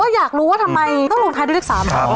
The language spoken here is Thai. แต่ว่าอยากรู้ว่าทำไมต้องลงท้ายด้วยอีก๓บาท